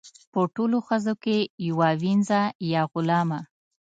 په ټولو ښځو کې یوه وینځه یا غلامه.